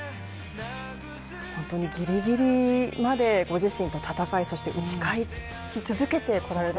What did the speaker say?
本当にギリギリまでご自身と戦い、そして打ち勝ち続けてこられた。